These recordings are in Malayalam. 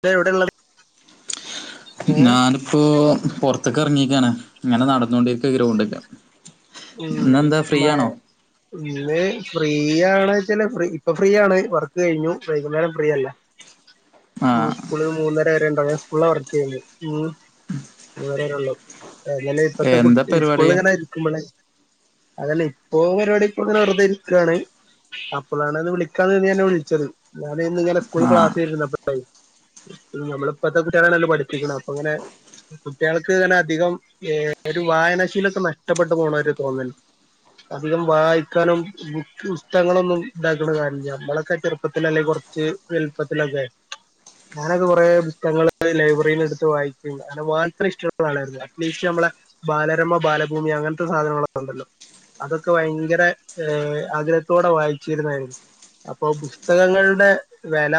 ഇപ്പ എവിടെള്ളത് ഏഹ് ഞാനിപ്പോ പൊറത്തേക്ക് എറങ്ങി ഇങ്ങനെ നടന്നോണ്ടിരിക്ക ഗ്രൗണ്ട്ക്ക് ഉ മ ഇന്ന് ഫ്രീയാണ് ല്ലേ ഫ്രീ ഇപ്പൊ ഫ്രീയണ് വർക്ക് കഴിഞ്ഞു വൈകുന്നേരം ഫ്രീയല്ല ആ സ്കൂളിൽ മൂന്നര വരെ ഉണ്ട സ്കള വർക്ക് ചെയ്യേ ഉ ഉം അവിള്ള ഇപ്പഴത്തെ കുട്ട പരിപാടി സ്കൂളിൽങ്ങനെ ഇരിക്കുമ്പോളെ അതല്ല ഇപ്പൊ പരിപാടിപ്പോ ഇങ്ങനെ വെറുതെ ഇരിക്കുകയാണ് അപ്പോളാണ് അത് വിളിക്കാന്ന് നിന്നവിളിച്ചത് ഞാന ഇന്ന്ങ്ങനെ സ്കൂൾ ആ ക്ലാസ് ആയിരുന്നുുന്നപ്പേ നമ്മളിപ്പോത്തെ കുട്ടികളാണല്ലോ പഠിപ്പിക്കണം അപ്പ അങ്ങനെ കുട്ടികൾക്ക് അങ്ങനെ അധികം ഒരു വായനാശീലമൊക്കെ നഷ്ടപ്പെട്ടു പോണ ഒരു ോൽ അധികം വായിക്കാനും പുസ്തകങ്ങളൊന്നും ഇണ്ടാക്കണ കാര നമ്മളൊക്കെ ചെറുപ്പത്തില അല്ലെങ്ക കുറച്ച് എലുപ്പത്തിലൊക്കെ ഞാനൊക്കെ കുറെേ പുസ്തകങ്ങള് ലൈബ്രറിൽ എടുത്ത് വായിക്കും അങ്ങനെ വായിക്കാ ഇഷ്ടുള്ള ആളായിരുന്നു അറ്റ്ലീസ്റ്റ് നമ്മളെ ബാലരമ ബാലഭൂമി അങ്ങനത്തെ സാധനങ്ങള ണ്ടല്ലോ അതൊക്കെ ഭയങ്കര ആഗ്രഹത്തോടെ വായിച്ചിരുന്നായിരുന്നു അപ്പൊ പുസ്തകങ്ങളുടെ വില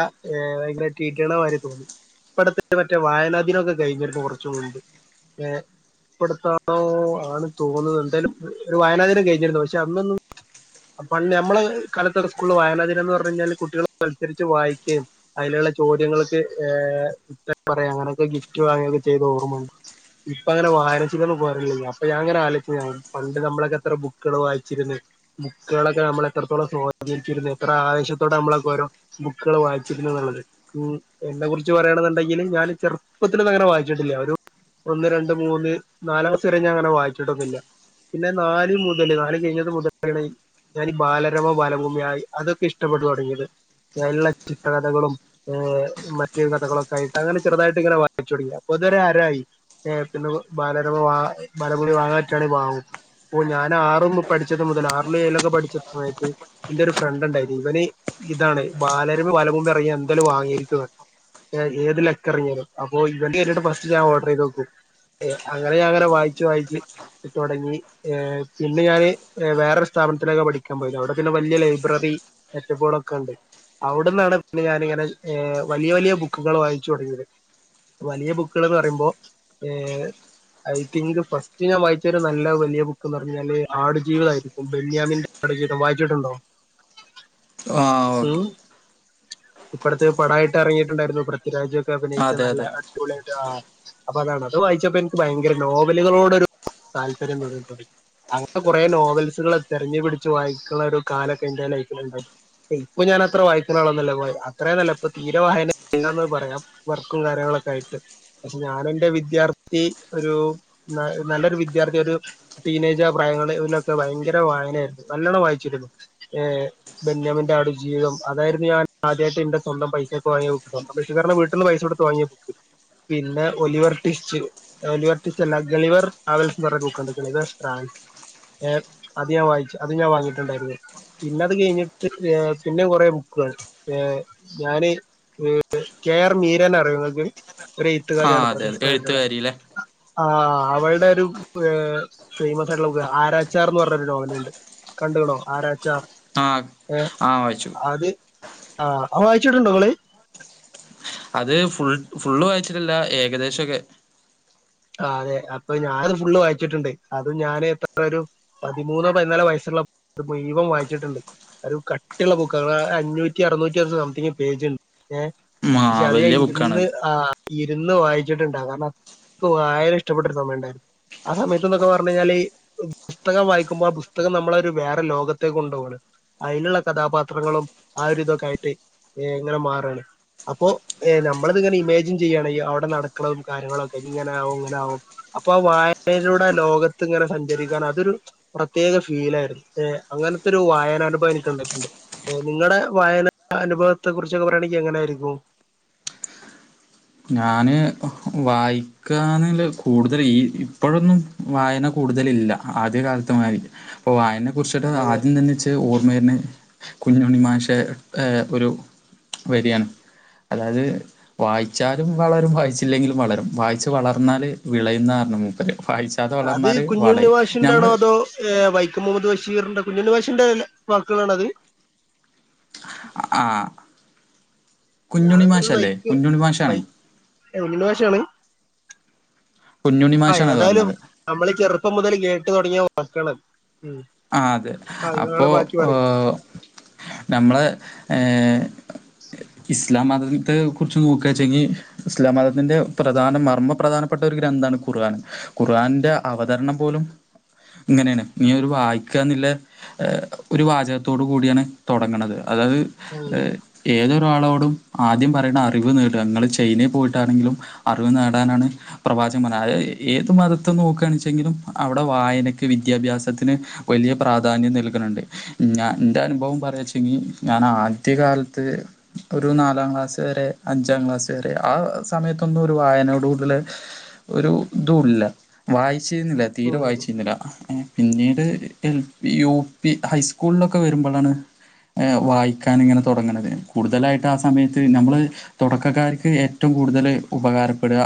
ഭയങ്കര ീട്ടണമായിരെ തോന്നി ഇപ്പടത്തെ മറ്റേ വായനാ ദീനൊക്കെ കഴിഞ്ഞിരുന്നു കുറച്ചും ഉണ്ട് ഏ ഇപ്പടത്താണോ ആണ് തോന്നുന്നത് എന്തായാലും ഒരു വായനാ ദീിനം കഴിഞ്ഞിരുന്നു പക്ഷെ അന്നൊന്നും പ നമ്മളെ കാലത്ത സ്കൂള വായനാ ദീിനം എന്ന് പറഞ്ഞു കഴിഞ്ഞാല് കുട്ടികളൾ മത്സരിച്ച് വായിക്കുകയും അതിലുള്ള ചോദ്യങ്ങൾക്ക് ഇ പറയയും അങ്ങനെയൊക്കെ ഗിഫ്റ്റ് വാങ്ങുകയുംൊക്കെ ചെയ്ത് ഓർമ്മുണ്ട് ഇപ്പ അങ്ങനെ വായനാശീം എന്ന് പോറില്ലേ അപ്പൊ ഞാ അങ്ങനെ ആലോചച്ച് ഞാൻ പണ്ട് നമ്മളൊക്കെ എത്ര ബുക്കുകൾ വായിച്ചിരുന്നു ബുക്കുകളൊക്കെ നമ്മൾ എത്രത്തോളം സ്വാധീനിച്ചിരുന്നു എത്ര ആവേശത്തോടെ നമ്മളൊക്കെ ഓോ ബുക്കുകൾ വായിച്ചിരുന്നു എന്നുള്ളത് എന്നെ കുറിച്ച് പറയണെന്നുണ്ടെങ്കിൽ ഞാൻ ചെറുപ്പത്തിൽന്ന അങ്ങനെ വായിച്ചിട്ടില്ല ഒരു ഒന്ന് രണ്ട് മൂന്ന് നാലല് ദിവസം വരെ ഞാൻ അങ്ങനെ വായിച്ചിട്ടൊന്നില്ല പിന്നെ നാല് മുതല് നാല് കഴിഞ്ഞത് മുതലാണ് ഞാൻീ ബാലരമ ബാലഭൂമിയായി അതൊക്കെ ഇഷ്ടപ്പെട്ടു തുടങ്ങിയത് ഞാനുള്ള ചിത്രകഥകളും ഏ മറ്റേ കഥകളൊക്കെ ആയിട്ട് അങ്ങനെ ചെറുതായിട്ട് ഇങ്ങനെ വായിച്ചു തുടങ്ങിയ അപ്പൊ ഇതുവരെ ആരായി പിന്നെ ബാലരമ വാ ബാലഭൂമി വാങ്ങായിട്ടാണ് വാങ്ങുന്നത് അപ്പോ ഞാൻ ആറും പഠിച്ചത് മുതൽ ആറില ഏയിലൊക്കെ പഠിച്ച സമയത്ത് എന്റെ ഒരു ഫ്രണ്ട് ഉണ്ടായിരുന്നു ഇവന് ഇതാണ് ബാലരമ്പ് വലകുമ്പ് ഇറങ്ങി എന്തേലും വാങ്ങിയിരിക്കുവ ഏത് ലക്ക ഇറങ്ങിയാലും അപ്പൊ ഇവന്റെ കഞ്ഞിട്ട് ഫസ്റ്റ് ഞാൻ ഓർഡർ ചെയ്ത് നോക്കു അങ്ങനെ ഞാങ്ങനെ വായിച്ചു വായിച്ച് തുടങ്ങി പിന്നെ ഞാൻ വേറൊരു സ്ഥാപനത്തിലൊക്കെ പഠിക്കാൻ പോയത് അവിടെ പിന്നെ വലിയ ലൈബ്രറി മെറ്റപ്പോളൊക്കെ ഉണ്ട് അവിടെന്നാണ് പിന്നെ ഞാനിങ്ങനെ വലിയ വലിയ ബുക്കുകൾ വായിച്ചു തുടങ്ങിയത് വലിയ ബുക്കുകൾന്ന് പറയുമ്പോൾ ഐ തിങ്ക് ഫസ്റ്റ് ഞൻ വായിച്ച ഒരു നല്ല ബുക്ക്ന്ന് പറഞ്ഞാല് ആടുജീവിത ആയിരിക്കും ബെന്യാമിന്റെ ആടുജീവിതം വായിച്ചിട്ടുണ്ടോ ആഹ ഓക്കെ ഇപ്പോഴത്തെ പടായിട്ട് ഇറങ്ങിയിട്ടുണ്ടായിരുന്നു പൃഥ്വിരാജ ക്കെ അഭിനയിച്ച അതെ നല്ല അതെ അടിപൊളിയായിട്ട് അപ്പൊ അതാണ് അത് വായിച്ചപ്പോ എനിക്ക് ഭയങ്കര നോവലുകളോടരു [inaudible] താല്പര്യം തോന്നി അങ്ങനെ കുറെ നോവൽസുകള് തെരഞ്ഞു പിടിച്ച് വായിക്കണ ഒരു കാലൊക്കെ ന്റെ ലൈഫിൽ ഇണ്ടായി ഇപ്പൊ ഞാനത്ര വായിക്കുന്ന ആളൊന്നല്ല ഭായ് അത്രേനല്ല ഇപ്പൊ തീരെ വായന ഇല്ലെന്ന് പറയാം വർക്കും കാര്യങ്ങളൊക്കെ ആയിട്ട് പക്ഷെ ഞാനെന്റെ വിദ്യാർത്ഥി ഒരു ന നല്ലൊരു വിദ്യാർത്ഥി ഒരു ടീനേജ് ആ പ്രായങ്ങളിൽ [inaudible] ഭയങ്കര വായനായിരുന്നു നല്ലോണ്ണം വായിച്ചിരുന്നു ബെന്യാമിന്റെറെ ആടുജീതം അതായിരുന്നു ഞാൻ ആദ്യമായിട്ട് എന്റെ സ്വന്തം പൈസക്ക് വാങ്ങിയ ബുക്ക് സ്വന്തം പൈസേന്ന് പറഞ്ഞ വീട്ടിൽന്ന് പൈസ കൊടുത്ത് വാങ്ങിയ ബുക്ക് പിന്നെ ഒലിവർ ട്വിസ്റ്റ്‌ ഒലിവർ ട്വിസ്റ്റ്‌ അല്ല ഗളിവർ ട്രാവൽസ് എന്ന് പറഞ ബുക്കുണ്ട് ട്രാൻസ് ഏഹ് അത്ഞാ വായിച്ച് അതും ഞാൻ വാങ്ങിട്ടുണ്ടായിരുന്നു പിന്നെ അത് കഴിഞ്ഞിട്ട് ഏഹ് പിന്നെ കുറെ ബുക്കുകൾ ഏഹ് ഞാനി ഉം കെ ആർ മീരനെ അറിയോ ഇങ്ങക്ക് ഒരു ആ എഴുത്തുകാരിയാണ് അതെ അതെ പ്രശസ്തായിട്ടുള്ള എഴുത്തുകാരിയിലെ ആ അവള്ടെ ഒരു ഏഹ് ഫേമസ് ആയിട്ടുള്ള ബുക്ക്‌ ആരാച്ചാർന്ന് പറഞ്ഞൊരു നോവലുണ്ട് കണ്ടുകണോ ആരാച്ചാർ ആഹ് ഏഹ് ആഹ് വായിച്ചു അത് ആഹ് അപ്പ വായിച്ചിട്ടുണ്ടോ ഇങ്ങള് അത് ഫുൾ ഫുള്ള് വായിച്ചിട്ടില്ല ഏകദെശൊക്കെ ആ അതെ അപ്പൊ ഞാനത് ഫുള്ള് വായിച്ചിട്ടുണ്ട് അതും ഞാന് ഇപ്പ എത്ര ഒരു പതിമൂന്നോ പതിനാലോ വയസ്സുള്ളപ്പോ മുഴുവൻ വായിച്ചിട്ടുണ്ട് ഒരു കട്ടിയുള്ള ബുക്കാണ് അഞ്ഞൂറ്റി അറുന്നൂറ്റി സംതിങ് പേജുണ്ട് ഏഹ് ആ പക്ഷെ അത് വലിയ ബുക്കാണ് ഞാനിരുന്ന് ആഹ് ഇരുന്ന് വായിച്ചിട്ടുണ്ട് കാരണം വായന ഇഷ്ടപ്പെട്ടരു സമയുണ്ടായിരുന്നു ആ സമയത്തുന്നൊക്കെ പറഞ്ഞു കഴിഞ്ഞാല് പുസ്തകം വായിക്കുമ്പോ ആ പുസ്തകം നമ്മളെയൊരു വേറെ ലോകത്തെ കൊണ്ട് പോകാണ് അയിലുള്ള കഥാപാത്രങ്ങളും ആ ഒരിതൊക്കെയായിട്ട് ഏഹ് ഇങ്ങനെ മാറുവാണ് അപ്പോ ഏ നമ്മള് ഇതിങ്ങനെ ഇമാജിൻ ചെയ്യുകയാണ് അവിടെ നടക്കണതും കാര്യങ്ങളൊക്കെ ഇങ്ങനാവും ഇങ്ങനാവും അപ്പൊ ആ വായനയിലൂടെ ലോകത്ത് ഇങ്ങനെ സഞ്ചരിക്കാനതൊരു പ്രത്യേക ഫീലായിരുന്നു ക്ഷേ അങ്ങനത്തെ ഒരു വായനനുഭവം എനിക്കിണ്ടായിട്ടുണ്ട് ഏ നിങ്ങളടെ വായന അനുഭവത്തെ കുറിച്ചൊക്കെ പറയാണെങ്കി എങ്ങനയിരിക്കും ഞാന് വായിക്കാനെല് കൂടുതൽ ഈ ഇപ്പോഴൊന്നും വായന കൂടുതലില്ല ആദ്യ കാലത്തെ മാതിരി ഇപ്പൊ വായന അത [inaudible] ആദ്യം തന്നെ ച് ഓർമ്മയിരുന്ന് കുഞ്ഞുണ്ണി മാഷ് ഏഹ് ഒരു വരിയാണ് അതായത് വായി വായിച്ചാലും വളരും വായിച്ചില്ലെങ്കിലും വളരും വായിച്ച് വളർന്നാല് വിളയുന്നാണ് മുപ്പര് അത് കുഞ്ഞുണ്ണിമാഷിന്റെണോ അതോ ഏഹ് വൈ വൈക്കം മുഹമ്മദ് ബഷീറിന്റെ കുഞ്ഞുണ്ണി മാഷിന്റെ വാക്കുകളാണോ അത് ആഹ് ഞാൻ വയ്ക്കോം [inaudible] ഉണ്ണിമാഷണ് കുഞ്ഞുണ്ണി ആഹ് മാഷാണ് അത് ഏതായാലും പറഞ്ഞത് നമ്മള് ചെറുപ്പം മുതൽ കേ [inaudible] തുടങ്ങിയ വാക്കാണ് ഉം ആഹ് അതെ ആ അപ്പോ നിങ്ങള് ബാക്കി ഓ പറയും ഞമ്മള് ഏഹ് ഇസ്ലാമത [inaudible] ത്ത് കുറിച്ച് നോക്കുകവെച്ചെങ്കി ഇസ്ലാം മതത്തിന്റെ പ്രധാന മർമ്മ പ്രധാനപ്പെട്ട ഒരു ഗ്രന്ഥണ് ഖുർആൻ ഖുആന്റെ അവതരണം പോലും ഇങ്ങനെയാണ് ഇനി ആവര് വായി [inaudible] ഏഹ് ഒരു വാചകത്തോട് കൂടിയാണ് തൊടങ്ങണന്നത് അതായത് ഉം ഏഹ് ഏതൊരാളോടും ആദ്യം പറയണ അറിവ് നേടുക ഇങ്ങള് ചൈനയിൽ പോയിട്ടാണെങ്കിലും അറിവ് നേടാനാണ് പ്രവാചകൻ പറന്നത് അത് ഏത് മതത്തെ നോക്കുകയാണെച്ചെങ്കിലും അവിടെ വായനക്ക് വിദ്യാഭ്യാസത്തിന് വലിയ പ്രാധാന്യം നൽകണുണ്ട് ഞൻ ൻ്റെ അനുഭവം പറയച്ചെങ്കി ഞാൻ ആ കുത്തിയ കാലത്ത് ഒരു നാലാം ക്ലാസ് വരെ അഞ്ചാം ക്ലാസ് വരെ ആ സമയത്തൊന്നും ഒരു വായനയോട് കൂടുതൽ ഒരു ഇതല്ല വായ ചീരുന്നില്ല തീരെ ഉം വായിച്ചിരുന്നില്ല പിന്നീട് ഏഹ് എൽ പി യു പി ഹൈസ്കൂളൊക്കെ വരുമ്പോളാണ്ഏഹ് വായിക്കാനിങ്ങനെ തുടങ്ങണത് കൂടുതലായിട്ട് ആ സമയത്ത് ഞമ്മള് തുടക്കക്കാർക്ക് ഏറ്റവും കൂടുതൽ ഉപകാരപ്പെടുക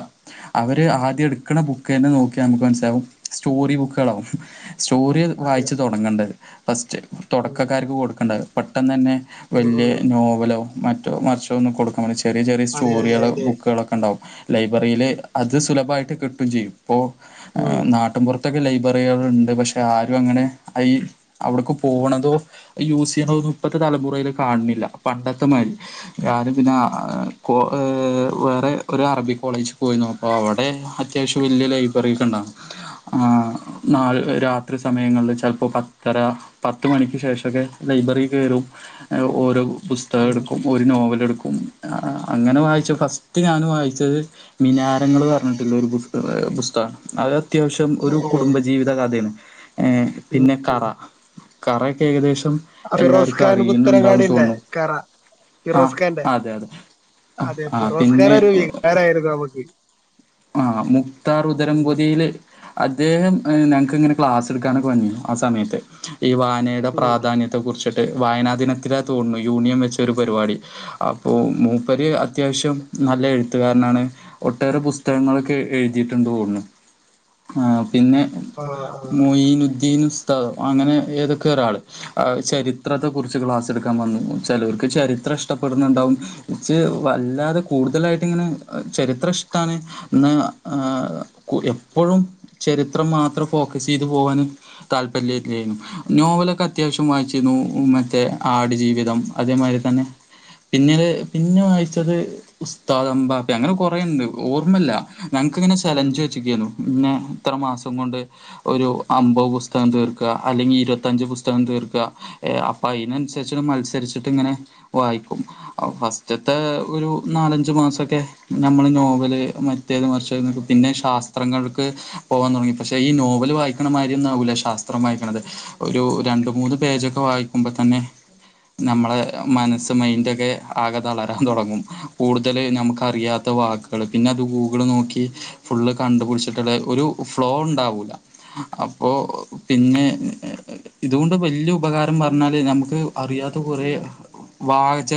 അവര് ആദ്യം എടുക്കണ ബുക്ക് തന്നെ നോക്കിയാ നമുക്ക് മനസ്സിലാവും സ്റ്റോറി ബുക്കുകളവും സ്റ്റോറി അതെ വായിച്ചു തുടങ്ങേണ്ടത് ഫസ്റ്റ് ഉം തുടക്കക്കാർക്ക് കൊടുക്കേണ്ട പെട്ടെന്ന് തന്നെ ഉം വലിയ ഉം നോവലോ മറ്റ മ മച്ചോ ഒ കൊടുക്കൻ ചെറിയ ചെറിയ അതെ അതെ സ്റ്റോറികള് അതെ ബുക്കുകുകളൊക്കെ ഉണ്ടാവും ലൈബ്രറിയില് അത് സുലഭമായിട്ട് കിട്ടും ചെയ്യും ഇ ഉം നാട്ടൻപുറ ഇക്കെ ലൈബ്രറികൾ ഉണ്ട് പക്ഷെ ആ അങ്ങനെ അവിടക്ക് പോകണതോ യൂസ് ചെയ്യണതോ ഒന്നും ഇപ്പഴത്തെ തലമുറയിൽ കാണുന്നില്ല പണ്ടത്തെ മാതിരി ാനും പിന്നെ വേറെ ഒരു അറബി കോളേജിൽ പോയിരുന്നു അപ്പോൾ അവിടെ അത്യാവശ്യം വലിയ ലൈബ്രറി ഒക്കെ ഉണ്ടും നാല് ഒത്ര സമയങ്ങളിൽ ചിലപ്പോൾ പത്തര പത്ത് മണിക്ക് ശേഷമൊക്കെ ലൈബ്രറി കയറും ഓരോ പുസ്തകം ഉം എടുക്കും ഒരു നോവൽ എടുക്കും ം അങ്ങനെ വായിച്ച ഫസ്റ്റ് ഞൻ വായിച്ചത് മിനാരങ്ങൾ പറഞ്ഞിട്ടുള്ള ഒരു പുസ്ത പുസ്തകമാണ് അത് അത്യാവശ്യം ഒരു ഓ കുടുംബജീവിത കഥയാണ് ഏ പിന്നെ കറ കറയക്കെ ഏകദേശം എല്ലാർക്കും ഫിറോസ്ഖാൻ അറിയുന്നുണ്ടാവും പുത്തനങ്ങാടിന്റെ തോന്നുന്നു കറ ആഹ് ഫിറോസ് ഖാന്റെ അതെ അതെ ആഹ് അതെ ആഹ് ഫിറോസ് ഖാൻ ഒരു വികാരായിരുന്നു നമുക്ക് ആന് മുക്താർ ഉം ഉദരംപൊതിയില് അദ്ദേഹം ഞങ്ങക്ക്ങ്ങനെ ക്ലാസ് എടുക്കാനൊക്കെ വന്നിരുന്നു ആ സമയത്ത് ഈ വായാനെടെ ഉം പ്രാധാന്യത്തെ കുറിച്ച് വായനാ ദിനത്തിലാ തോണുണു യൂണിയൻ വെച്ച ഒരു പരിപാടി അപ്പോ മൂപ്പര് അത്യാവശ്യം നല്ല എഴുത്തുകാരനാണ് ഒട്ടേറെ പുസ് തകങ്ങളൊക്കെ എഴുതിയിട്ട്ണ്ട് ഓണ്ന്ന് പിന്നെ ആ ആ മൊയിനുന്ദീ നുസ്താദം അങ്ങനെ ഏതൊക്കെ ഒരാള് ആഹ് ചരിത്രത്തെ കുുറിച്ച് ക്ലാസ് എടുക്കാൻ വന്നു ചിലവർക്ക് ചരിത്രം ഇഷ്ടപ്പെടുന്നുണ്ടാവും ഇച്ച് വല്ലാതെ കൂടുതലായിട്ട് ഇങ്ങനെ ചരിത്രം ഇഷ്ടാണ് ന്ന് എപ്പോഴും ചരിത്രം മാത്രം ഫോക്കസ് ചെയ്ത് പോകാന് താല്പര്യല്ലല്ലെയ്‌നു നോവലൊക്കെ അത്യാവശ്യം വായിച്ചീന്നു മറ്റേ ആടു ജീവിതം അതേമാതിരി തന്നെ പിന്ന പിന്നെ വായിച്ചത് ഉസ്താത് അംബാപ്പി അങ്ങനെ കുറെണ്ട് മ്മല്ല ഞൾക്ക്ങ്ങനെ സ്ഥലം ഉം ചെയ്‌ച്ച്ക്കെനു പിന്നെ ഇത്ര മാസം കൊണ്ട് ഒരു അമ്പത് പുസ്തകം തീർക്ക അല്ലെങ്കിൽ ഇരുപത്തഞ്ച് പുസ്തകം തീർക്ക എ അപ്പൊ അയ്നൻസരിചമത്സരിച്ചിട്ട് ഇങ്ങനെ വായിക്കും ഫസ്റ്റത്തെ ഒരു നാലഞ്ച് മാസൊക്കെ നമ്മള് നോവല് മറ്റേത് മറിച്ചന്ന് പിന്നെ ശാസ്ത്രങ്ങൾക്ക് പോകാൻ തുടങ്ങി പക്ഷെ ഈ നോവല് വായിക്കണമായിരിയൊന്നാവൂല ശാസ്ത്രം വായിക്കണുന്നത് ഒരു രണ്ട മൂന്ന് പേജൊക്കെ വായിക്കുമ്പതന്നെ നമ്മളെ മനസ്സ് മൈൻഡൊക്കെ ആകെ തളരാൻ തുടങ്ങും കൂടുതല് നമുക്ക് അറിയാത്ത വാക്കുകൾ പിന്നെ അത് ഗൂഗിള് നോക്കി ഫുള്ള് കണ്ടപിടിച്ചിട്ടുള്ള ഒരു ഫ്ലോ ഉണ്ടാവൂല്ല അപ്പോ പിന്നെ ഇതുകൊണ്ട് വല്യ ഉപകാരം പറഞ്ഞാല് നമുക്ക് അറിയാത്ത കുറെ വാച